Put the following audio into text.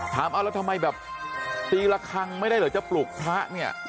ถามเอาแล้วทำไมแบบตีละครั้งไม่ได้เหรอจะปลุกพระเนี่ย